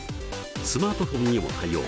スマートフォンにも対応。